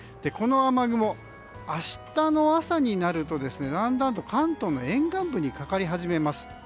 この雨雲、明日の朝になるとだんだんと関東の沿岸部にかかり始めます。